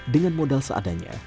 dengan modal seadanya